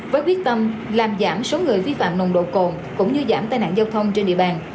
với quyết tâm làm giảm số người vi phạm nồng độ cồn cũng như giảm tai nạn giao thông trên địa bàn